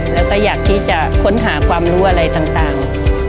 แล้วก็อยากที่จะค้นหาความรู้อะไรต่าง